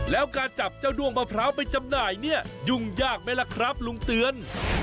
แล้วการจับเจ้าด้วงมะพร้าวไปจำหน่ายเนี่ยยุ่งยากไหมล่ะครับลุงเตือน